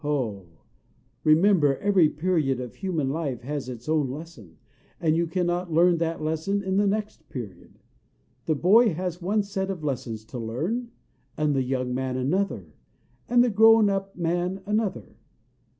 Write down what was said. Oh! remember every period of human life has its own lesson, and you cannot learn that lesson in the next period. The boy has one set of lessons to learn, and the young man another, and the grown up man another.